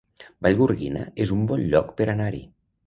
Vallgorguina es un bon lloc per anar-hi